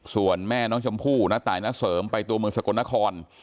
ส่วนแม่น้องชมพู่ณตายณเสริมไปตัวเมืองสกลนคร